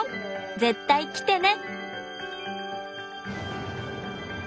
絶対来てね。